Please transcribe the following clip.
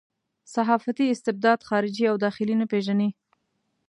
صحافتي استبداد خارجي او داخلي نه پېژني.